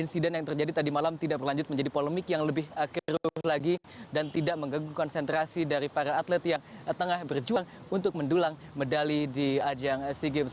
insiden yang terjadi tadi malam tidak berlanjut menjadi polemik yang lebih keruh lagi dan tidak mengganggu konsentrasi dari para atlet yang tengah berjuang untuk mendulang medali di ajang sea games